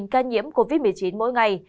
một ca nhiễm covid một mươi chín mỗi ngày